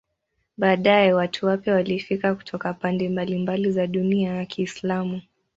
Baadaye watu wapya walifika kutoka pande mbalimbali za dunia ya Kiislamu.